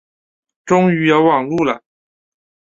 终于有网路了